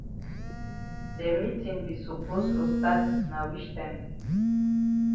De meetin be suppose for stat na wich time.